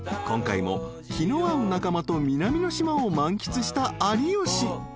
［今回も気の合う仲間と南の島を満喫した有吉］